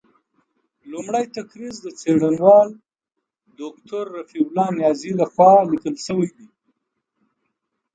لومړۍ تقریض د څېړنوال دوکتور رفیع الله نیازي له خوا لیکل شوی دی.